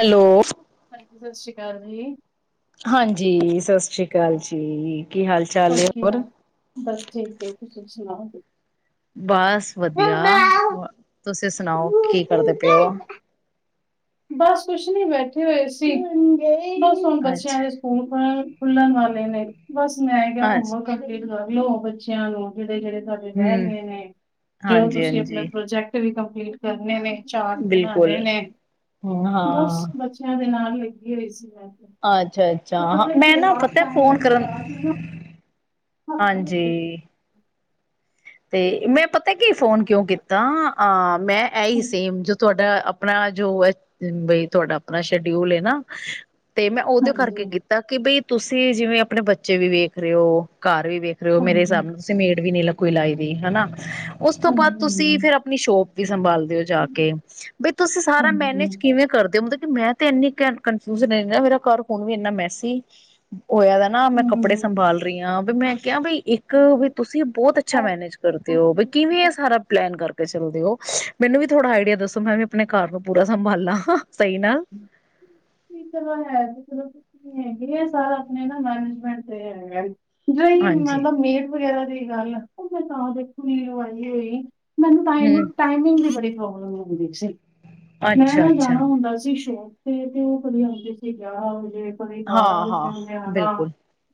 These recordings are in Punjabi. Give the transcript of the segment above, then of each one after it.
ਹੈਲੋ- ਹਾਂਜੀ, ਸਤਿ ਸ਼੍ਰੀ ਅਕਾਲ ਜੀ। ਹਾਂਜੀ, ਸਤਿ ਸ੍ਰੀ ਅਕਾਲ ਜੀ। ਕੀ ਹਾਲ? ਚਾਲ ਹੈ ਓਕੇ ਹੋਰ ਯ, ਬਸ ਠੀਕ ਹੈ, ਤੁਸੀਂ ਸੁਣਾਓਗੇ? ਬਸ ਵਧੀਆ, ਤੁਸੀਂ ਸੁਣਾਓ ਕੀ ਕਰਦੇ ਪਏ ਹੋ? ਬਸ ਕੁਛ ਨੀ, ਬੈਠੇ ਹੋਏ ਸੀ। ਬਸ ਹੁਣ ਅੱਛਾ ਬੱਚਿਆਂ ਦੇ ਸਕੂਲ ਖੁੱਲਣ ਵਾਲੇ ਨੇ, ਬਸ ਮੈਂ ਕਿਆ ਅੱਛਾ ਹੋੁਮਵਰਕ ਕਰ ਲੀਓ ਬੱਚਿਆਂ ਨੂੰ, ਜਿਹੜੇ-ਜਿਹੜੇ ਸਾਡੇ ਰਹਿ ਹਮ ਗਏ ਨੇ, ਜੋ ਹਾਂਜੀ ਤੁਸੀਂ ਆਪਣਾ ਹਾਂਜੀ ਪ੍ਰੋਜੈਕਟ ਵੀ ਕੰਪਲੀਟ ਕਰਨੇ ਨੇ, ਚਾਰਟ ਬਿਲਕੁਲ ਬਣਾਉਣੇ ਨੇ। ਬਸ, ਹਾਂ ਬੱਚਿਆਂ ਦੇ ਨਾਲ ਲੱਗੀ ਹੋਈ ਸੀ ਮੈਂ। ਅੱਛਾ ਅੱਛਾ, ਤੇ ਹਾਂ ਪਤਾ ਕੀ ਮੈਂ ਨਾ ਲਾਸਟ ਪਤਾ ਟਾਈਮ ਦੇ ਫੋਨ ਕਰਨ ਵਿਚਾਰ ਸੀ ਨਾ ਹਾਂਜੀ। ਤੇ ਮੈਂ ਪਤਾ ਕੀ ਫੋਨ ਕਿਉਂ ਕੀਤਾ, ਅਹ ਮੈਂ ਐ ਹੀ ਸੇਮ ਤੁਹਾਡਾ-ਆਪਣਾ ਜੋ ਹੈ ਬਈ, ਤੁਹਾਡਾ ਆਪਣਾ ਸ਼ਡਿਊਲ ਹੈ ਨਾ ਤੇ ਮੈਂ ਉਹਦੇ ਹਾਂਜੀ ਕਰਕੇ ਕੀਤਾ। ਕਿ ਬਈ ਤੁਸੀਂ ਜਿਵੇਂ, ਆਪਣੇ ਬੱਚੇ ਵੀ ਵੇਖ ਰਹੇ ਹੋ, ਘਰ ਵੀ ਵੇਖ ਰਏ ਹੋ। ਮੇਰੇ ਹਾਂਜੀ ਹਿਸਾਬ ਨਾਲ, ਤੁਸੀਂ ਮੇਡ ਵੀ ਨਹੀਂ ਲ ਕੋਈ ਲਾਈ ਦੀ, ਹਨਾ। ਉਸ ਤੋਂ ਹਾਂਜੀ ਬਾਅਦ ਤੁਸੀਂ ਫਿਰ ਹਾਂਜੀ ਆਪਣੀ ਸ਼ੋਪ ਵੀ ਸੰਭਾਲਦੇ ਹੋ ਜਾ ਕੇ, ਬਈ ਤੁਸੀਂ ਸਾਰਾ ਹਾਂਜੀ ਮੈਨੇਜ ਕਿਵੇਂ ਕਰਦੇ ਹੋ? ਮਤਲਬ ਕਿ ਮੈਂ ਤੇ ਇੰਨੀ ਕਨਫਿਊਜ ਰਹਿੰਦੀ, ਮੇਰਾ ਘਰ ਹੁਣ ਵੀ ਇੰਨਾ ਮੈਸੇ ਹੋਇਆ ਵੈ। ਨਾ ਮੈਂ ਹਮ ਕੱਪੜੇ ਸੰਭਾਲ ਰਹੀ ਹਾਂ, ਵੀ ਮੈਂ ਕਿਹਾ ਬ ਇੱਕ, ਵੀ ਤੁਸੀਂ ਬਹੁਤ ਛਾ ਮੈਨੇਜ ਕਰਦੇ ਹੋ, ਬਈ ਕਿਵੇਂ ਇਹ ਸਾਰਾ ਪਲੈਨ ਕਰਕੇ ਚੱਲਦੇ ਹੋ, ਮੈਨੂੰ ਵੀ ਥੋੜਾ ਆਈਡੀਆ ਦੱਸੋ ਮੈਂ ਵੀ ਆਪਣੇ ਘਰ ਨੂੰ ਪੂਰਾ ਸੰਭਾਲਾਂ, ਸਹੀ ਨਾਲ। ਚਲੋ ਹੈ ਚਲੋ ਕੁਛ ਨ ਹੈਗੇ ਆ, ਸਾਰਾ ਆਪਣੇ ਨਾ ਮੈਨੇਜਮੈਂਟ ਤੇ ਹੈਗਾ। ਜਿਹੜੀ ਹਾਂਜੀ ਮਤਲਬ ਮੇਡ ਵਗੈਰਾ ਦੀ ਗੱਲ ਹੈ, ਉਹ ਮੈਂ ਤਾਂ ਦੇਖ ਲਾਈ ਹੋਈ। ਮੈਨੂੰ ਤਾਂ ਨਾ ਹਮ ਟਾਈਮਿੰਗ, ਟਾਈਮਿੰਗ ਦੀ ਬੜੀ ਪ੍ਰੋਬਲਮ ਹੁੰਦੀ ਸੀ। ਮੈਂ ਅੱਛਾ ਨਾ ਅੱਛਾ। ਜਾਣਾ ਹੁੰਦਾ ਸੀ ਸ਼ੌਂਪ ਤੇ, ਤੇ ਉਹ ਕਦੇ ਆਦੇ ਸੀ ਵਿਆਹ ਹੋਜੇ ਕ ਬਾਰਾਂ ਹਾਂ ਵਜੇ ਹਾਂ ਹਣਾ, ਬਿਲਕੁਲ।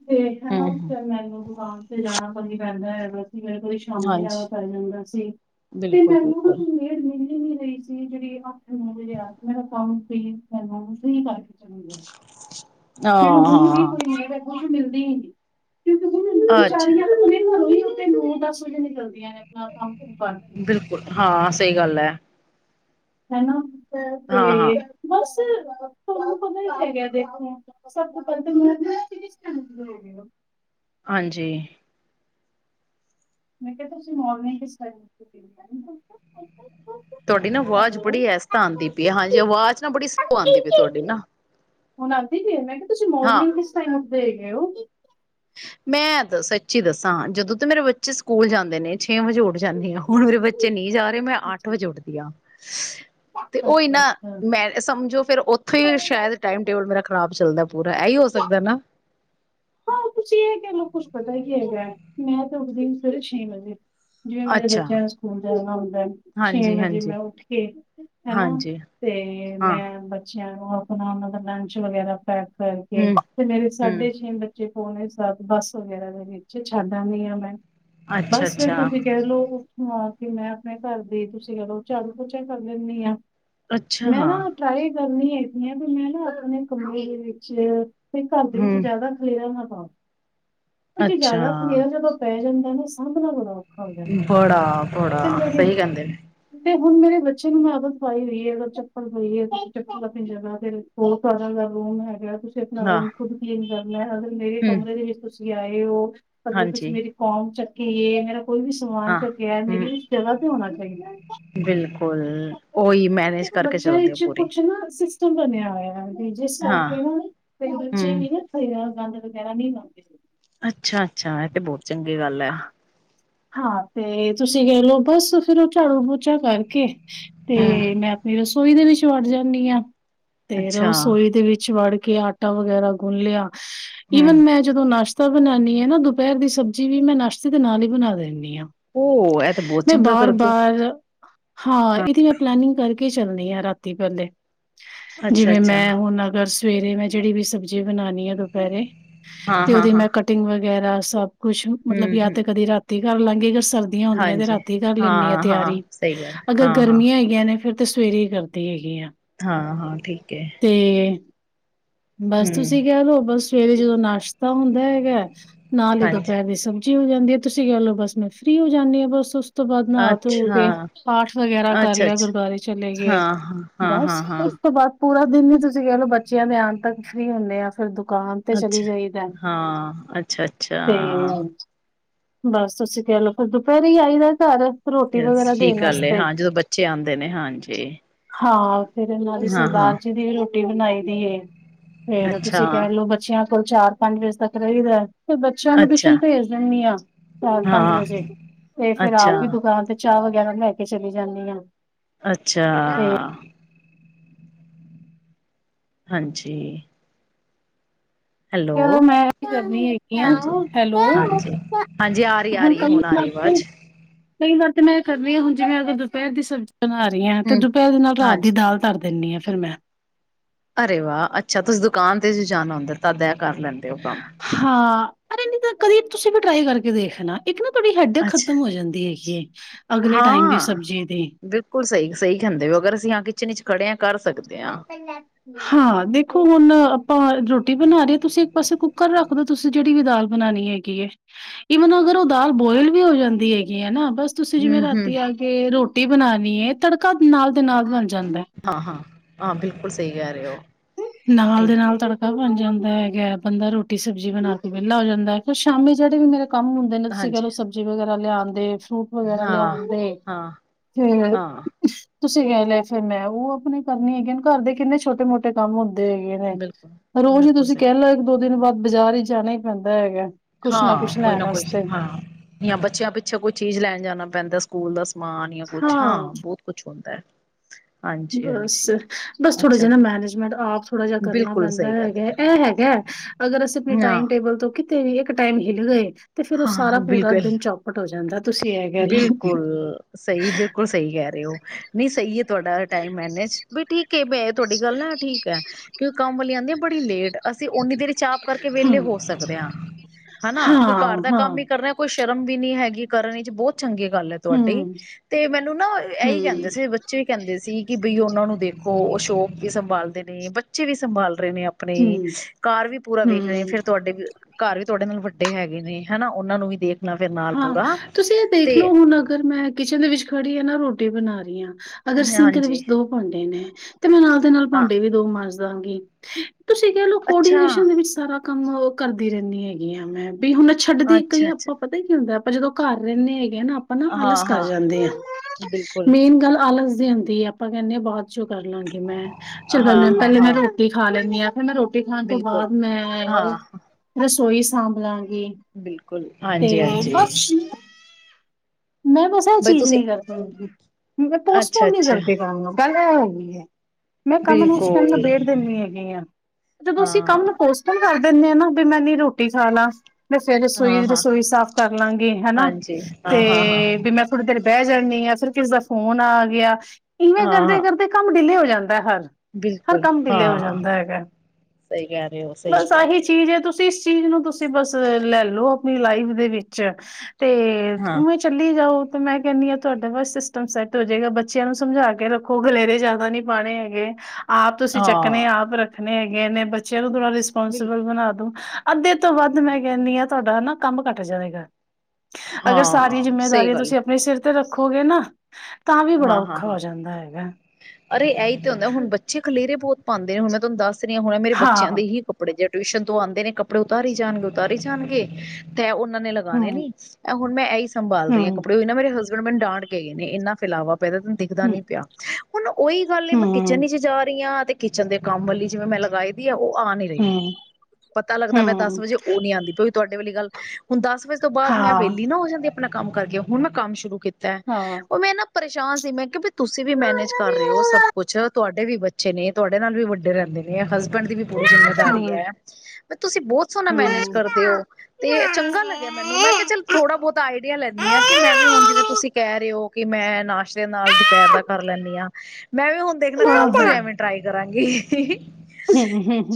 ਤੇ ਹਨ ਹੂੰ। ਉਸ ਹੂੰ। 'ਟ ਮੈਨੂੰ ਦੁਕਾਨ [unintelligible] ਜਾਣਾ ਪ ਪੈਂਦਾ ਹੈ, ਬ ਮੇਰੇ ਕੋਲ [unintelligible] ਕੰਮ ਹਾਂਜੀ ਕਰ ਜਾਂਦਾ ਸੀ, ਤੇ ਬਿਲਕੁਲ ਮੈਨੂੰ ਤਾਂ ਬਿਲਕੁਲ ਕੋਈ ਮੇਡ ਮਿਲਲੀ ਨ ਰਹੀ ਸੀ। [unintelligible] ਜਿਹੜੀ ਅੱ ਨੂੰ ਮਰਾ, ਅਕਾਟ ਕਰ ਸਹੀ ਕਰਕੇ ਹਾਂ [unintelligible] ਮੈਨੂੰ ਹੁਣ ਵੀ ਹਾਂ। ਕੋਈ ਮ [unintelligible] ਬ ਮਿਲਦੀ ਹੀ ਨੀ, ਕਿਉਂਕਿ ਤੁ ਮ ਅੱਛਾ ਵਿਚਹੀਆਂ [unintelligible] ਹਰੋਂ ਹੀ ਉੱੇ ਨੋਂ ਦੱਸ ਵਜ ਨਿਕਲਦੀਆਂ ਨੇ, ਆਪਣਾ ਕੰਮਮ ਕਰ ਕੇ [unintelligible] ਬਿਲਕੁਲ, ਹਾਂ ਸਹੀ ਗੱਲ ਹੈ। ਹਨਾ ਹਾਂ ਹਾਂ ਤੇ, ਬਸ ਤੁਹਾਨੂੰ ਪਤਾ ਹੀ ਹੈਗਾ ਦੇਖੋ [unintelligible] ਸਬ ਤੋਂ ਪਹਿਲੇ [unintelligible] ਹਾਂਜੀ। ਮੈਂ ਕਿਹਾ, ਤੁਸੀਂ ਮੋਰਨਿੰਗ ਕਿਸ ਟਮ ਤੁਹਾਡੀ ਨਾ ਆਵਾਜ਼, ਬੜੀ ਐਸਤਾ ਆਉਂਦੀ ਪਈ। ਹਾਂਜੀ ਆਵਾਜ਼ ਨਾ ਬੜੀ ਸਲੋ, ਆਉਂਦੀ ਪਈ ਤੁਹਾਡੀ ਨਾ। ਹੁਣ ਆਂਦੀ ਪਈ, ਮੈਂ ਕਿਹਾ ਤੁਸੀਂ ਹਾਂ ਮੋਰਨਿੰਗ ਕਿਸ ਟੈਮ ਉੱਠ ਦੇ ਹੈਗੇ ਹੋ? ਮੈਂ ਤਾਂ ਸੱਚੀ ਦੱਸਾਂ, ਜਦੋਂ ਤਾਂ ਮੇਰੇ ਬੱਚੇ ਸਕੂਲ ਜਾਂਦੇ ਨੇ ਛੇ ਵਜੇ ਉੱਠ ਜਾਂਦੀ ਹਾਂ, ਹੁਣ ਮੇਰੇ ਬੱਚੇ ਨਹੀਂ ਜਾ ਰਹੇ, ਮੈਂ ਅੱਠ ਅੱਛਾ, ਵਜੇ ਉੱਠਦੀ ਹਾਂ। ਤੇ ਅੱਛਾ, ਔਈ ਨਾ ਅੱਛਾ। ਮੈਂ ਸਮਝੋ ਫਿਰ ਉੱਥੋਂ ਈ ਸ਼ਾਇਦ ਟਾਈਮ ਟੇਬਲ ਮੇਰਾ ਖ਼ਰਾਬ ਚੱਲਦਾ। ਪੂਰਾ ਐਈ ਔ ਸਕਦਾ ਨਾ। ਹਾਂ ਤੁਸੀ ਏ ਕੈਲੋ ਕੁੱਛ ਪਤਾ ਕੀ ਏਗਾ ਮੈਂ ਤੇ ਉੱਠਦੀ ਆਂ ਸਵੇਰੇ ਛੇ ਵਜੇ। ਜਿਵੇਂ ਮੇਰੇ ਅੱਛਾ ਬੱਚਿਆਂ ਨੇ ਸਕੂਲ ਜਾਨਾ ਹੁੰਦਾ ਛੇ ਹਾਂਜੀ, ਵਜੇ ਹਾਂਜੀ, ਮੈਂ ਉੱਠ ਕੇ ਹੈਨਾ ਹਾਂਜੀ, ਤੇ ਹਾਂ, ਮੈਂ ਬ ਬੱਚਿਆਂ ਨੂੰ ਆਪਨਾ ਉਨਾਂ ਦਾ ਲੰਚ ਵਗੈਰਾ ਪੈਕ ਕਰਕੇ ਹੂੰ, ਤੇ ਮੇਰੇ ਹੂੰ, ਸਾਢੇ ਛੇ ਵਜੇ ਬ ਚੇ ਪੌਣੇ ਸਤ ਬੱਸ ਵਗੈਰਾ ਦੇ ਵਿੱਚ ਛੱਡ ਆਨੀ ਆ ਮੈਂ। ਅੱਛਾ, ਬਸ ਫੇਰ ਅੱਛਾ, ਤੁਸੀਂ ਕੈਲੋ ਆ ਕੇ ਮੈਂ ਆਪਨੇ ਘਰ ਦੇ ਤੁਸੀਂ ਕੈਲੋ ਝਾੜੂ ਪੋਚਾ ਕਰ ਲੈਂਨੀ ਆ। ਅੱਛਾ, ਮੈਂ ਨਾ ਟਰਾਈ ਕਰਨੀ ਏਗੀ ਆ ਵੀ ਮੈਂ ਨਾ ਆਪਨੇ ਕਮਰੇ ਵਿੱਚ ਤੇ ਘਰ ਦੇ ਵਿੱਚ ਹੂੰ, ਜਾਦਾ ਖਲੇਰਾ ਨਾ ਪਾਓ ਕਿਉਂਕਿ ਅੱਛਾ, ਜ਼ਿਆਦਾ ਖਲੇਰਾ ਜਦੋਂ ਪੈ ਜਾਂਦਾ ਨਾ ਸਾਂਭਨਾ ਬੜਾ ਔ ਬੜਾ-ਬੜਾ ਸਈ ਕੇਂਦੇ। ਤੇ ਹੁਨ ਮੇਰੇ ਬੱਚੇ ਨੂੰ ਮੈ ਆਦਤ ਪਾਈ ਹੋਈ ਏ ਅਗਰ ਚੱਪਲ ਪਈ ਏ ਚੱਪਲ ਆਪਨੀ ਜਗ੍ਹਾ ਤੇ ਬੋਤ [unintelligible] ਰੂਮ ਹੈਗਾ ਕੁ ਤੇ ਆਪਨਾ ਹਾਂ, ਖੁਦ ਕਲੀਨ ਕਰਨਾ ਅਗਰ ਮੇਰੇ ਹੂੰ, ਕਮਰੇ ਦੇ ਵਿੱਚ ਤੁਸੀਂ ਆਏ ਔ ਅਗਰ ਤੁਸੀਂ ਹਾਂਜੀ, ਮੇਰੀ ਕੌਂਬ ਚੱਕੀ ਏ, ਮੇਰਾ ਕੋਈ ਵੀ ਸਮਾਨ ਹਾਂ, ਚੱਕਿਆ ਹੂੰ, ਮੇਰੀ ਇਸ ਜਗ੍ਹਾ ਤੇ ਹੋਨਾ ਚਾਈਦਾ। ਬਿਲਕੁਲ ਔਹੀ ਮੈਨੇਜ ਕਰਕੇ ਚੱਲਦੇ ਪੂਰੇ। ਬਨਿਆ ਹੋਇਆ ਹਾਂ, [unintelligible] ਤੇ ਬੱਚੇ ਹੂੰ, ਵੀ ਨਾ ਗੰਦ ਵਗੈਰਾ ਨਈ ਲਾਂਦੇ। ਅੱਛਾ-ਅੱਛਾ ਐ ਤੇ ਬੋਤ ਚੰਗੀ ਗੱਲ ਐ। ਹਾਂ ਤੇ ਤੁਸੀਂ ਕੈਲੋ ਬਸ ਫੇਰ ਔ ਝਾੜੂ ਪੋਚਾ ਕਰਕੇ ਹੂੰ, ਤੇ ਮੈਂ ਆਪਨੀ ਰਸੋਈ ਦੇ ਵਿੱਚ ਵੜ ਜਾਨੀ ਆ। ਤੇ ਅੱਛਾ, ਰਸੋਈ ਦੇ ਵਿੱਚ ਵੜ ਕੇ ਆਟਾ ਵਗੈਰਾ ਗੁੰਨ ਲਿਆ। ਹੂੰ, ਈਵਨ ਮੈਂ ਜਦੋਂ ਨਾਸ਼ਤਾ ਬਣਾਨੀ ਆ ਨਾ ਦੁਪੈਰ ਦੀ ਸਬਜ਼ੀ ਵੀ ਮੈਂ ਨਾਸ਼ਤੇ ਦੇ ਨਾਲ ਈ ਬਨਾ ਦਿੰਨੀ ਆ। ਉਹ ਇਹ ਤੇ ਬਹੁਤ ਮੈਂ ਚੰਗਾ ਕਰਦੇ ਹੋ, ਬਾਰ-ਬਾਰ ਹਾਂ ਇਦੀ ਏ ਪਲੇਨਿੰਗ ਕਰਕੇ ਚੱਲਨੀ ਆ ਰਾਤੀ ਪੇਲੇ। ਅੱਛਾ, ਜਿਵੇਂ ਅੱਛਾ, ਮੈਂ ਹੁਨ ਅਗਰ ਸਵੇਰੇ ਮੈਂ ਜੇੜੀ ਵੀ ਸਬਜ਼ੀ ਬਣਾਨੀ ਆ ਦੁਪੈਰੇ ਹਾਂ, ਤੇ ਹਾਂ, ਉਦੀ ਹਾਂ, ਮੈਂ ਕਟਿੰਗ ਵਗੈਰਾ ਸਭ ਕੁਛ ਹੂੰ, ਮਤਲਬ ਯਾ ਹੂੰ, ਤੇ ਕਦੀ ਰਾਤੀ ਕਰ ਲਾਂਗੀ ਅਗਰ ਸਰ ਦੀਆਂ ਹੁਦਿਆਂ ਤੇ ਹਾਂਜੀ ਰਾਤੀ ਕਰ ਲੈਂਦੀ ਆਾਂ ਹਾਂ ਹਾਂ ਤਿਆਰੀ ਸਹੀ ਗੱਲ ਅਗਰ ਹਾਂ ਹਾਂ ਗਰਮੀਆਂ ਹੈਗੀਆਂ ਨੇ ਫੇਰ ਤੇ ਸਵੇਰੇ ਈ ਕਰਦੀ ਹੈਗੀ ਆ। ਹਾਂ-ਹਾਂ ਠੀਕ ਐ। ਤੇ ਬਸ ਤੁਸੀਂ ਕੈ ਦੋ ਬਸ। ਸਵੇਰੇ ਜਦੋਂ ਨਾਸ਼ਤਾ ਹੁੰਦਾ ਹੈਗਾ ਨਾਲ ਈ ਹਾਂਜੀ ਦੋਪੈਰ ਦੀ ਸਬਜ਼ੀ ਹੋ ਜਾਂਦੀ ਏ। ਤੁਸੀਂ ਕੈ ਲੋ ਬਸ ਮੈਂ ਫ੍ਰਰੀ ਹੋ ਜਾਂਨੀ ਆ ਬਸ ਉਸ ਉਸ ਤੋਂ ਬਾਦ ਨਹਾ ਧੋ ਕੇ ਅੱਛਾ ਪਾਠ ਵਗੈਰਾ ਕਰ ਅੱਛਾ ਲਿਆ ਅੱਛਾ ਗੁਰਦੁਆਰੇ ਚਲੇ ਗੇ ਹਾਂ ਹਾਂ ਹਾਂ ਬਸ ਹਾਂ ਉਸ ਤੋਂ ਹਾਂ ਬਾਦ ਪੂਰਾ ਦਿਨ ਈ ਤੁਸੀਂ ਕੈ ਲੋ ਬੱਚਿਆਂ ਦੇ ਆਨ ਤੱਕ ਫ੍ਰਰੀ ਹੁੰਨੇ ਆ। ਫੇਰ ਦੁਕਾਨ ਤੇ ਚਲੀ ਅੱਛਾ ਜਾਈਦਾ ਹਾਂ ਅੱਛਾ ਅੱਛਾ ਤੇ ਬਸ ਤੁਸੀਂ ਕੈ ਲੋ ਫੇਰ ਦੋਪੈਰੀ ਆਈ ਦਾ ਘਰ। ਰੋਟੀ ਵਗੈਰਾ [unintelligible] ਦੇਣ ਗੱਲ ਏ ਵਾਸਤੇ ਹਾਂ ਜਦੋਂ ਬੱਚੇ ਆਂਦੇ ਨੇ ਹਾਂਜੀ। ਹਾਂ। ਫੇਰ ਇ ਇਸਨਾਂ ਦੀ ਹਾਂ ਹਾਂ ਸਰਦਾਰ ਜੀ ਦੀ ਵੀ ਰੋਟੀ ਬਨਾਈ ਦੀ ਏ ਫੇਰ ਅੱਛਾ ਤੁਸੀਂ ਕਹਿਲੋ ਬੱਚਿਆਂ ਕੋਲ ਚਾਰ-ਪੰਜ ਵਜੇ ਤੱਕ ਰਈਦਾ ਫੇਰ ਬੱਚਿਆਂ ਨੂੰ ਟਿਊਸ਼ਨ ਅੱਛਾ ਭੇਜ ਦਿੰਨੀ ਆ। ਚਾਰ-ਪੰਜ ਹਾਂ ਵਜੇ ਤੇ ਫੇਰ ਅੱਛਾ ਆਪ ਵੀ ਦੁਕਾਨ ਤੇ ਚਾ ਵਗੈਰਾ ਲੈ ਕੇ ਚਲੀ ਜਾਂਨੀ ਆ। ਅੱਛਾ। ਤੇ ਹਾਂਜੀ। ਹੈਲੋ ਚਲੋ ਮੈਂ ਕਰਨੀ ਐਗੀ ਆ। ਹਾਂਜੀ ਹੈਲੋ। ਹਾਂਜੀ ਹਾਂਜੀ ਆ ਰਹੀ ਆ ਰਹੀ ਹੁਣ ਆ ਰਹੀ ਆਵਾਜ਼। ਕਈ ਗੱਲ ਤਾਂ ਮੈਂ ਕਰ ਰਹੀ ਆ ਹੁਣ ਜਿਵੇਂ ਅਗਰ ਦੁਪਹਿਰ ਦੀ ਸਬਜੀ ਬਣਾ ਰਹੀ ਆ ਤੇ ਹਮ ਦੁਪਹਿਰ ਦੇ ਨਾਲ ਰਾਤ ਦੀ ਹਾਂਜੀ ਦਾਲ ਧਰ ਦਿੰਨੀ ਆ ਫਿਰ ਮੈਂ। ਅਰੇ ਵਾਹ ਅੱਛਾ ਤੁਸੀ ਦੁਕਾਨ ਤੇ ਜੋ ਜਾਣਾ ਹੁੰਦੇ ਤਦ ਐ ਕਰ ਲੈਦੇ। ਹਾਂ, ਅਰੇ ਨਹੀਂ ਤਾਂ ਕਦੀ ਤੁਸੀਂ ਵੀ ਟਰਾਈ ਕਰਕੇ ਦੇਖਣਾ। ਇੱਕ ਨਾ ਤੁਹਾਡੀ ਹੈੱਡਕ ਅੱਛਾ, ਖ਼ਤਮ ਹੋ ਜਾਂਦੀ ਹੈਗੀ ਏ, ਅਗਲੇ ਟਾਈਮ ਦੀ ਹਾਂ। ਸਬਜ਼ੀ ਦੀ। ਬਿਲਕੁਲ ਸਹੀ ਸਹੀ ਖਦੇ ਹੋ ਅਗਰ ਅਸੀਂ ਹਾਂ ਕਿਚਨ 'ਚ ਖੜੇ ਆ ਕਰ ਸਕਦੇ। ਹਾਂ। ਆਪਾਂ ਹਾਂ ਦੇਖੋ ਹੁਣ ਆਪਾਂ ਰੋਟੀ ਬਣਾ ਰਹੇ ਆ ਤੁਸੀਂ ਇੱਕ ਪਾਸੇ ਕੁੱਕਰ ਰੱਖਦੋ ਤੁਸੀਂ ਜਿਹੜੀ ਵੀ ਦਾਲ ਬਣਾਣੀ ਏ। ਗੀ ਈਵਨ ਅਗਰ ਉਹ ਦਾਲ ਬੋਇਲ ਵੀ ਹੋ ਜਾਂਦੀ ਹੈਗੀ ਹੈ ਨਾ ਬਸ ਤੁਸੀਂ ਹੂੰ, ਜਿਵੇਂ ਹੂੰ, ਰਾਤੀ ਆ ਕੇ ਰੋਟੀ ਬਣਾਣੀ ਏ ਤੜਕਾ ਨਾਲ ਦੇ ਨਾਲ ਬਣ ਜਾਂਦਾ। ਹਾਂ ਹਾਂ, ਹਾਂ ਬਿਲ ਉਹ ਸਹੀ ਯਾਰ ਨਾਲ ਦੇ ਨਾਲ ਤੜ ਬਣ ਜਾਂਦਾ ਹੈਗਾ ਬੰਦਾ ਰੋਟੀ ਸਬਜ਼ੀ ਬਣਾ ਕੇ ਵਿਹਲਾ ਹੋ ਜਾਂਦਾ ਹੈ ਫਿਰ ਸ਼ਾਮੀ ਜਿਹੜੇ ਵੀ ਮੇਰੇ ਕੰਮ ਹੁੰ ਦਿਨ ਤੁਸੀ ਹਾਂਜੀ, ਕਹਿਲੋ ਸਬਜ਼ੀ ਵਗੈਰਾ ਲਿਆਦੇ ਫਰੂਟ ਵਗੈਰਾ ਲਿਆ ਹਾਂ। ਤੇ, ਹਾਂ, ਫਿਰ ਹਾਂ ਤੁਸੀਂ ਕਹਿ ਲਿਆ ਫਿਰ ਮੈਂ ਉਹ ਆਪਣੇ ਕਰਨੀ ਹੈਗੀ ਘਰ ਦੇ ਕਿੰਨੇ ਛੋਟੇ-ਮੋਟੇ ਟੇ ਕੰਮ ਹੁੰਦੇ ਹੈਗੇ ਨੇ, ਬਿਲਕੁਲ, ਰੋਜ਼ ਹੀ ਬਿਲਕੁਲ ਤੁਸੀਂ ਕਹਿ ਸਹੀ ਲਓ ਦੋ ਦਿਨ ਬਾਅਦ ਬਾਜ਼ਾਰ ਹੀ ਜਾਣਾ ਹੀ ਪੈਂਦਾ ਹੈਗਾ। ਕੁਛ ਨਾ ਹਾਂ ਕੁਛ ਕੋਈ ਨਾ ਲੈਣ ਕੋਈ ਵਾਸਤੇ, ਹਾਂ। ਜਾਂ ਬੱਚਿਆਂ ਪਿੱਛੇ ਕੋਈ ਚੀਜ਼ ਲੈਣ ਜਾਣਾ ਪੈਂਦਾ ਸਕੂਲ ਦਾ ਸਮਾਨ ਜਾਂ ਕੁਛ ਹਾਂ ਬਹੁਤ ਕੁਛ ਹੁੰਦਾ। ਹਾਂਜੀ, ਬਸ, ਹਾਂਜੀ ਬਸ ਥੋੜ੍ਹਾ ਅੱਛਾ ਜਿਨਾ ਮੈਨੇਜਮੈਂਟ ਆਪ ਥੋੜ੍ਹਾ ਜਿਹਾ ਕਰਨਾ ਬਿਲਕੁਲ ਪੈਂਦਾ ਸਹੀ ਗੱਲ ਹੈਗਾ ਹੈ ਇਹ ਹੈਗਾ ਅਗਰ ਅਸੀਂ ਆਪਣੇ ਹਾਂ। ਟਾਈਮ ਟੇਬਲ ਤੋਂ ਕਿਤੇ ਵੀ ਇੱਕ ਟਾਈਮ ਹਿਲ ਗਏ ਤੇ ਫਿਰ ਉਹ ਹਾਂ ਸਾਰਾ ਪੂਰਾ ਬਿਲਕੁਲ ਦਿਨ ਚੌਪਟ ਹੋ ਜਾਂਦਾ ਤੁਸੀਂ ਇਹ ਕਹਿ ਲਓ। ਬਿਲਕੁਲ ਸਹੀ ਬਿਲਕੁਲ ਸਹੀ ਕਹਿ ਰਹੇ ਓ। ਨਹੀਂ ਸਹੀ ਹੈ ਤੁਹਾਡਾ ਟਾਈਮ ਮੈਨੇਜ, ਵੀ ਠੀਕ ਹੈ ਮੈਂ ਤੁਹਾਡੀ ਗੱਲ ਨਾ ਠੀਕ ਐ। ਕਿਉਂਕਿ ਕੰਮ ਵਾਲੀ ਆਂਦੀ ਆ ਬੜੀ ਲੇਟ ਅਸੀਂ ਉਨੀ ਦੇਰ ਹੀ ਚਾਪ ਕਰਕੇ ਵਿਹਲੇ ਹੋ ਸਕਦੇ ਆ। ਹਨਾ। ਹਾਂ ਹਾਂ ਹਾਂ ਕਰਨਾ ਕੋਈ ਸ਼ਰਮ ਵੀ ਨਹੀਂ ਹੈਗੀ ਕਰਨ 'ਚ ਬਹੁਤ ਚੰਗੀ ਗੱਲ ਹੈ ਤੁਹਾਡੀ, ਹਮ ਤੇ ਮੈਨੂੰ ਨਾ ਇਹੀ ਕਹਿੰਦੇ ਹਮ ਸੀ ਬੱਚੇ ਕਹਿੰਦੇ ਸੀ ਕਿ ਬਈ ਉਹਨਾਂ ਨੂੰ ਦੇਖੋ ਅਸ਼ੋਕ ਵੀ ਸੰਭਾਲਦੇ ਨੇ ਬੱਚੇ ਵੀ ਸੰਭਾਲ ਰਹੇ ਨੇ ਆਪ ਆਪਣੇ ਹਮ ਘਰ ਵੀ ਪੂਰਾ ਵੇਖ ਰਹੇ ਨੇ ਹਮ ਫਿਰ ਤੁਹਾਡੇ ਵੀ ਘਰ ਵੀ ਤੁਹਾਡੇ ਨਾਲ ਵਡ ਤ ਹੈਗੇ ਨੇ ਹਨਾ ਉਹਨਾਂ ਨੂੰ ਵੀ ਦੇਖ ਹਾਂ ਤੁਸੀਂ ਇਹ ਦੇਖਲੋ ਹੁਣ ਅਗਰ ਮੈਂ ਕਿਚਨ ਦੇ ਵਿੱਚ ਖੜੀ ਆ ਨਾ ਰੋਟੀ ਬਣਾ ਰਹੀ ਆ, ਅਗਰ ਸਿੰਕ ਦੇ ਹਾਂਜੀ ਵਿੱਚ ਦੋ ਭਾਂਡੇ ਨੇ ਤੇ ਮੈਂ ਨਾਲ ਦੇ ਨਾਲ ਹਾਂ ਭਾਂਡੇ ਵੀ ਦੋ ਮਾਂਜ ਦਾਂਗੀ, ਤੁਸੀਂ ਕਹਿ ਲਓ ਅੱਛਾ ਕੋਰਡੀਨੇਸ਼ਨ ਦੇ ਵਿੱਚ ਸਾਰਾ ਕੰਮ ਕਰਦੀ ਰਹਿੰਨੀ ਹੈਗੀ ਆ ਮੈਂ ਵੀ ਹੁਣ ਛੱਡਦੀ ਕਈ ਅੱਛਾ ਅੱਛਾ ਆਪਾਂ ਪਤ ਪਤਾ ਕੀ ਹੁੰਦਾ ਆਪਾਂ ਜਦੋਂ ਘਰ ਰਹਿੰਨੇ ਹੈਗੇ ਆ ਨਾ ਅਪ ਆਪਾਂ ਨਾ ਆਲਸ ਹਾਂ ਕਰ ਹਾਂ ਜਾਂਦੇ ਹਾਂ। ਬਿਲਕੁਲ ਮੇਨ ਗੱਲ ਆਲਸ ਦੀ ਹੁੰਦੀ ਆ। ਆਪਾਂ ਕਹਿੰਨੇ ਆ ਬਾਅਦ 'ਚ ਕਰਲਾਂਗੇ ਮੈਂ, ਹਾਂ ਚਲ ਹਾਂ ਪਹਿਲੇ ਮੈਂ ਹਾਂ ਰੋਟੀ ਖਾ ਲੈਂਨੀ ਆ ਫਿਰ ਮੈਂ ਰੋ ਰੋਟੀ ਖਾਣ ਤੋਂ ਬਿਲਕੁਲ ਬਾਅਦ ਮੈਂ, ਹਾਂ ਰਸੋਈ ਸਾਂਭ ਲਾਂਗੀ। ਬਿਲਕੁਲ- ਤੇ ਹਾਂਜੀ ਹਾਂਜੀ ਬਸ। ਮੈਂ ਬਸ ਇਹ ਬਈ ਚੀਜ਼ ਤੁਸੀਂ ਨਹੀਂ ਕਰਦੀ ਹੈਗੀ, ਮੈਂ ਅੱਛਾ ਪੋਸਟਪੋਨ ਨੀ ਅੱਛਾ ਕਰਦੀ ਕੰਮ ਨੂੰ। ਗੱਲ ਐ ਹੋ ਗੀ ਐ। ਮੈਂ ਕਮ ਨੂੰ ਉਸ ਟਾਈਮ ਬਿਲਕੁਲ ਨਬੇੜ ਦੇਨੀ ਹੈਗੀ ਆਂ ਜਦੋਂ ਅਸੀਂ ਹਾਂ ਕੰਮ ਨੂੰ ਪੋਸ ਪੋਨ ਕਰ ਦੇਨੇ ਆ ਨਾ ਵੀ ਮੈਂ ਨੀ ਰੋਟੀ ਖਾ ਲਾ ਤੇ ਹਾਂ ਹਾਂ [unintelligible] ਰਸੋਈ ਸਾਫ਼ ਕਰ ਲਾਂਗੀ ਹਨਾ ਹਾਂਜੀ ਹਾਂ ਹਾਂ ਹਾਂ ਤੇ ਵੀ ਮੈਂ ਥੋੜੀ ਦੇਰ ਬੈ ਜਾਂਨੀ ਆ, ਫਿਰ ਕਿਸੇ ਦਾ ਫੋਨ ਆ ਗਿਆ, ਇਵੇਂ ਹਾਂ ਕਰਦੇ ਹਾਂ ਕਰ ਦੇ ਕੰਮ ਡਿੱਲੇ ਹੋ ਜਾਂਦੈ ਹਰ। ਹਰ ਬਿਲਕੁਲ ਕੰਮ ਡੀਲੇ ਹੋ ਹਾਂ ਜਾਂਦਾ ਹੈਗਾ ਸਹੀ ਕਹਿ ਰਹੇ ਹੋ ਸਹੀ ਬਸ ਕਹਿ ਆਹੀ ਰਹੇ ਹੋ ਚੀਜ਼ ਐ ਤੁਸੀਂ ਜਿਸ ਚੀਜ਼ ਨੂੰ ਤੁਸੀਂ ਬਸ ਲੈਲੋ ਅਪਨੀ ਲਾਈਫ ਦੇ ਵਿੱਚ ਤੇ ਹਾਂ ਉਵੇਂ ਚੱਲੀ ਜਾਓ ਤੇ ਮੈਂ ਕੈਨੀ ਆ ਤੁਆਡਾ ਬਸ ਸਿਸਟਮ ਸੈੱਟ ਹੋ ਜੇਗਾ ਬੱਚੇਆਂ ਨੂੰ ਸਮਝਾ ਕੇ ਰੱਖ ਖੋ ਖਲੇਰੇ ਜਾਦਾ ਨੀ ਪਾਣੇ ਹੈਗੇ। ਆਪ ਤੁਸੀਂ ਚੱਕਣੇ, ਹਾਂ ਆਪ ਰੱਖਣੇ ਹੈਗੇ ਨੇੇ ਬੱਚੇਆਂ ਨੂੰ ਥੋੜ੍ਹਾ ਰਿਸਪੋਂਸੀਬਲ ਬਿਲਕੁਲ ਬਨਾ ਦੋ। ਅੱਧੇ ਤੋਂ ਵੱਧ ਮੈਂ ਕੈਨੀ ਆ ਤੁਆਡਾ ਨਾ ਕੰਮ ਘੱਟ ਜਾਵੇਗਾ। ਅਗਰ ਸਾਰੀ ਹਾਂ ਸਹੀ ਜਿੰਮੇਦਾਰੀ ਗੱਲ ਤੁਸੀਂ ਅਪਨੇ ਸਿਰ ਤੇ ਰੱਖੋਗੇ ਨਾ ਤਾਂ ਵੀ ਬੜਾ ਹਾਂ ਹਾਂ ਹਾਂ ਔਖਾ ਹੋ ਜਾਂਦਾ ਹੈਗਾ। ਅਰੇ ਐਈ ਤੇ ਹੁੰਦਾ ਹੁਨ ਬੱਚੇ ਖਲੇਰੇ ਬੋਤ ਪਾਂਦੇ ਨੇ ਹੁਨ ਮੈਂ ਤੁਆਨੂੰ ਦੱਸ ਰੀ ਆਂ ਹੁਨ ਐ ਮੇਰੇ ਹਾਂ ਬੱਚੇਆਂ ਦੇ ਹੀ ਕੱਪੜੇ ਜ ਟਿਊਸ਼ਨ ਤੋਂ ਆਂਦੇ ਨੇ ਕੱਪੜੇ ਉਤਾਰੀ ਜਾਨਗੇ, ਉਤਾਰੀ ਜਾਨਗੇ ਤੈਅ ਓਨਾਂ ਨੇ ਲ ਹਮ ਗਾਨੇ ਨੀ ਐ ਹੁਨ ਮੈਂ ਐਈ ਸੰਭਾਲ ਰੀ ਆਂ ਹਮ ਕੱਪੜੇ ਓਈ ਨਾ ਮੇਰੇ ਹਸ ਬੈਂਡ ਮੈਨੂੰ ਡਾਂਟ ਕੇ ਗਏ ਨੇ ਏਨਾ ਫੈਲਾਵਾ ਪਯਾ ਦਾ ਤੈਨੂੰ ਦਿਖਦਾ ਨੀ ਹਮ ਪਿਆ ਹੁਨ ਓਈ ਗੱਲ ਐ ਮੈਂ ਹਮ ਕਿਚਨ 'ਚ ਜਾ ਰੀ ਆਂ ਤੇ ਕਿਚਨ ਦੇ ਕੰਮ ਵਾਲੀ ਜਿਵੇਂ ਮੈਂ ਲਗਾਈ ਦੀ ਐ ਓ ਆ ਨੀ ਰਈ, ਹਮ ਪਤਾ ਲੱਗਦਾ ਪਯਾ ਦਸ ਹਮ ਵਜੇ ਓ ਨੀ ਆਂਦੀ ਪਈ। ਤੁਆਡੇ ਵਾਲੀ ਗੱਲ ਹੁਨ ਦਸ ਵਜੇ ਤੋਂ ਬਾਦ ਮੈਂ ਹਾਂ ਵੇਲੀ ਨਾ ਹੋ ਜਾਂਦੀ ਅਪਨਾ ਕੰਮ ਕਰਕੇ ਹੁਨ ਮੈਂ ਕੰਮ ਸ਼ੁਰੂ ਕੀਤ ਤਾ ਹਾਂ ਓ ਮੈਂ ਏਨਾਂ ਪਰੇਸ਼ਾਨ ਸੀ ਮੈਂ ਕੇਆ ਵੀ ਤੁਸੀਂ ਵੀ ਮੈਨੇਜ ਕਰ ਰੇ ਓ ਸਭ ਕੁਛ, ਤੁਆਡੇ ਵੀ ਬੱਚੇ ਨੇ ਤੁਆਡੇ ਨਾਲ ਵੀ ਵੱਡੇ ਰੈਂਦੇ ਨੇ ਹਸਬੈਂਡ ਦੀ ਵੀ ਪੂਰੀ ਜਿੰਮੇਦਾਰੀ ਐ ਹੂੰ ਵੀ ਤੁਸੀਂ ਬੋਤ ਸੋਨਾ ਹੂੰ ਮੈਨੇਜ ਕਰਦੇ ਓ ਤੇ ਚੰਗਾ ਲੱਗਿਆ ਮੈਨੂੰ ਮੈਂ ਕੇਆ ਚੱਲ ਥੋੜ੍ਹਾ ਬੋਤ ਆਈਡੀਆ ਲੈਂਨੀ ਆਂ ਕਿ ਮੈਂ ਵੀ ਹੁਨ ਜਿਵੇਂ ਤੁਸੀਂ ਕੈ ਰੇ ਓ ਕਿ ਮੈਂ ਨਾਸ਼ਤੇ ਦੇ ਨਾਲ ਦੁਪਹਿਰ ਦਾ ਕਰ ਲੈਂਨੀ ਆਂ। ਮੈਂ ਵੀ ਹੁਨ ਦੇਖਨਾ ਕੱਲ ਤੋਂ ਵੀ ਐਵੇਂ ਟਰਾਈ ਕਰਾਂਗੀ।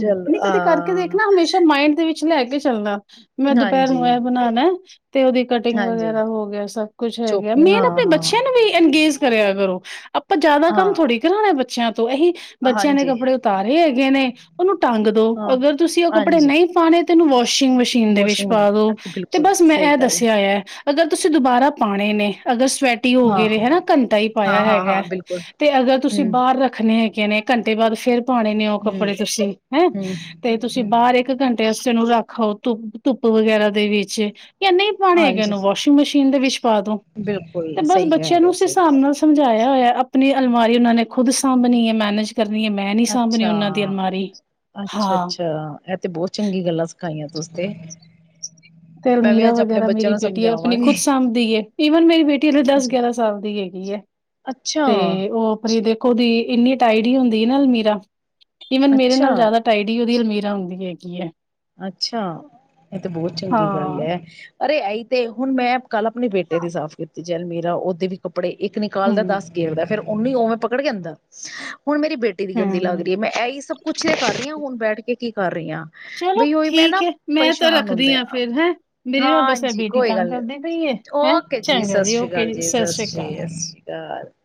ਚਲੋ ਕਦੀ ਕਰਕੇ ਹਾਂ ਦੇਖਨਾ ਹਮੇਸ਼ਾ ਮਾਇੰਡ ਦੇ ਵਿੱਚ ਚ ਲੈ ਕੇ ਚੱਲਨਾ ਮੈਂ ਦੁਪਹਿਰ ਹਾਂਜੀ, ਨੂੰ ਐ ਬਨਾਂਨੈ ਤੇ ਓਦੀ ਕਟਿੰਗ ਹਾਂਜੀ ਵਗੈਰਾ ਹੋ ਗਿਆ, ਸਭ ਕੁਛ ਹੈਗੇ ਚੋਪਿੰਗ ਮੇਨ ਹਾਂ, ਅਪਨੇ ਹਾਂ, ਬੱਚੇਆਂ ਨੂੰ ਵੀ ਅੰਗੇਜ਼ ਕਰੇਆ ਕਰੋ। ਆਪਾਂ ਜਾਦਾ ਕੰਮ ਹਾਂ ਥੋੜ੍ਹੀ ਕਰਾਣਾ ਬੱਚੇਆਂ ਤੋਂ ਐਹੀ ਬੱਚੇਆਂ ਨੇ ਹਾਂਜੀ, ਕੱਪੜੇ ਉਤਾਰੇ ਹੈਗੇ ਨੇ ਓਨੂੰ ਟੰਗ ਦੋ ਹਾਂ ਅਗਰ ਤੁਸੀਂ ਓ ਕੱਪੜੇ ਹਾਂਜੀ ਨਹੀਂ ਪਾਣੇ ਤੇ ਓਨੂੰ ਵਾਸ਼ਿੰਗ ਮਸ਼ੀ ਸ਼ੀਨ ਦੇ ਵਿੱਚ ਵਾਸ਼ਿੰਗ ਮਸ਼ੀਨ ਪਾ ਦੋ ਅਤੇ ਤੇ ਬਿਲਕੁਲ ਬਸ ਮੈਂ ਸਹੀ ਐ ਗੱਲ ਹੈ ਦੱਸਿਆ ਹੋਏਆ। ਅਗਰ ਤੁਸੀਂ ਦੁਬਾਰਾ ਪਾਣੇ ਨੇ ਅਗਰ ਸਵੈ ਟੀ ਹੋ ਗੇ ਹਾਂ, ਨੇ ਹੈਨਾ, ਘੰਟਾ ਹੀ ਪਾਇਆ ਹਾਂ, ਹਾਂ, ਹੈਗਾ ਹਾਂ ਬਿਲਕੁਲ ਤੇ ਅਗਰ ਤੁਸੀਂ ਹੂੰ, ਬਾਰ ਰੱਖਨੇ ਹੈਗੇ ਨੇ ਘੰਟੇ ਬਾਦ ਫੇਰ ਪਾਣੇ ਨੇ ਓ ਹੂੰ, ਕੱਪੜੇ ਤੁਸੀਂ ਹੈਂ ਹੂੰ, ਤੇ ਹੂੰ, ਤੁਸੀਂ ਹੂੰ ਬਾਰ ਇੱਕ ਇੱਕ ਘੰਟੇ ਆਸਤੇ ਓਨੂੰ ਰੱਖ ਆਓ ਧੁੱਪ ਧੁੱਪ ਵਗੈਰਾ ਦੇ ਵਿੱਚ ਯਾ ਨਈ ਪਾਣੇ ਹੈਗੇ ਹਾਂਜੀ ਓਨੂੰ ਵਾਸ਼ਿੰਗ ਮਸ਼ੀਨ ਦੇ ਵਿੱਚ ਪਾ ਦੋ ਤੇ ਬਿਲਕੁਲ ਬਸ ਸਹੀ ਬੱਚੇਆਂ ਕਹਿ ਰਹੇ ਨੂੰ ਹੋ, ਉਸ ਸਹੀ ਹਿਸਾਬ ਕਹਿ ਨਾਲ ਸਮਝਾਇਆ ਹੋਇਆਅਪਨੀ ਅਲਮਾਰੀ ਓਨਾਂ ਨੇ ਖੁਦ ਸਾਂਭਨੀ ਐ, ਮੈਨੇਜ ਕਰਨੀ ਐ ਮੈਂ ਰਹੇ ਸਾਂਭਨੀ ਅੱਛਾ, ਓਨਾਂ ਦੀ ਅਲਮਾਰੀ ਹਾਂ। [unintelligible] ਤੇ ਬੋਤ ਚੰਗੀ ਗੱਲਾਂ ਸਿਖਾਈਆਂ ਤੁਸੀ ਤੇ। ਤੇ ਮੈਂ ਵੀ ਅਲਮੀਰਾ ਅੱਜ ਆਪਣੇ ਵਗੈਰਾ ਬੱਚਿਆਂ ਮੇਰੀ ਨੂੰ ਬੇਟੀ ਐ ਅਪਨੀ ਸਮਝਾਵਾਂਗੀ ਖੁਦ ਸਾਂਭਦੀ ਏ ਈਵਨ ਮੇਰੀ ਬੇਟੀ ਹਲੇ ਦਸ ਅੱਛਾ, ਗਿਆਰਾਂ ਸਾਲ ਦੀ ਹੈਗੀ ਏ। ਅੱਛਾ, ਤੇ ਓ ਅਪਨੀ ਦੇਖੋ ਦੀ ਇੰਨੀ ਟਾਈਡੀ ਹੁੰਦੀ ਨਾ ਅਲਮੀਰਾ ਈਵਨ ਮੇਰੇ ਨਾਲ ਅੱਛਾ ਜਾਦਾ ਟਾਈਡੀ ਓਦੀ ਅਲਮੀਰਾ ਹੁੰਦੀ ਹੈਗੀ ਏ। ਅੱਛਾ, ਇਹ ਤੇ ਬਹੁਤ ਚੰਗੀ ਗੱਲ ਹਾਂ ਐ, ਅਰੇ ਐਈ ਤੇ ਹੁਣ ਮੈਂ ਕੱਲ ਆਪਣੇ ਬੇਟੇ ਦੀ ਸਾਫ਼ ਕੀਤੀ ਜੀ ਅਲਮੀਰਾ, ਉਹਦੇ ਵੀ ਕੱਪੜੇ ਇੱਕ ਨਿਕਾਲਦਾ ਹੂੰ ਦੱਸ ਗੇਰਦਾ, ਫੇਰ ਉਹਨੂੰ ਉਵੇਂ ਪਕੜ ਕੇ ਅੰਦਰ, ਹੁਣ ਮੇਰੀ ਬੇਟੀ ਟੀ ਦੀ ਗੰਦੀ ਲੱਗ ਹੂੰ ਰਹੀ ਹੈ, ਮੈਂ ਇਹੀ ਸਭ ਕੁੱਛ ਤੇ ਕਰ ਰਹੀ ਹਾਂ ਹੁਣ ਬੈਠ ਕੇ, ਕੀ ਕਰ ਰਹੀ ਹਾਂ ਚਲੋ ਬਈ ਉਹੀ ਮੈਂ ਨਾ ਠੀਕ ਹੈ ਮੈਂ ਤਾਂ ਪਰੇਸ਼ਾਨ ਹੁੰਦਾ ਰੱਖਦੀ ਹਾਂ, ਫਿਰ ਹੈਂ। ਮੇਰੀ ਨਾ ਬਸ ਇਹ ਹਾਂਜੀ ਬੇਟੀ ਕੋਈ ਤੰਗ ਗੱਲ ਨੀ ਕਰਦੀ ਪਈ ਹੈ ਹੈਂ ਓਕੇ ਜੀ ਚੰਗਾ ਸਤਿ ਸ਼੍ਰੀ ਓਕੇ ਅਕਾਲ ਜੀ ਸਤਿ ਸ੍ਰੀ ਸ਼੍ਰੀ ਅਕਾਲ। ਸਤਿ ਸ਼੍ਰੀ ਅਕਾਲ